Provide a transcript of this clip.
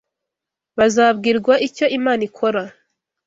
Bazabwirwa icyo Imana ikora